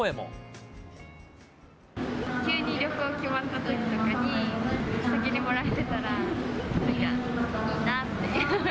急に旅行決まったときとかに、先にもらえてたらいいなっていう。